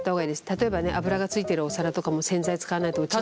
例えばね油がついてるお皿とかも洗剤使わないと落ちない。